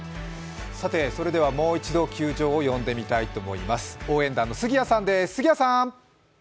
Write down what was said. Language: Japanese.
それではもう一度、球場を呼んでみたいと思います。